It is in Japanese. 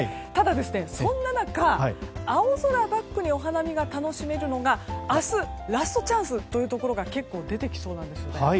ただ、そんな中青空をバックにお花見が楽しめるのが明日ラストチャンスというところが結構出てきそうなんです。